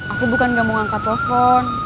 aku bukan gak mau ngangkat telepon